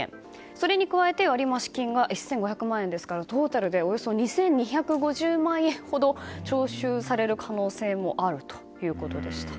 それに加えて割増金が１５００万円ですからトータルでおよそ２２５０万円ほど徴収される可能性もあるということでした。